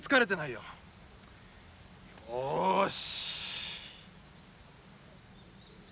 よし。